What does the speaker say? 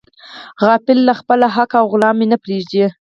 غافل له خپله حقه او غلام مې نه پریږدي.